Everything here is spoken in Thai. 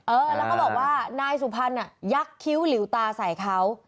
เออแล้วก็บอกว่านายสุพรรณยักษ์คิ้วหลิวตาใส่เขา